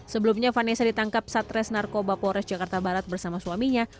sebelumnya vanessa ditangkap satres narkoba polres jakarta barat bersama suaminya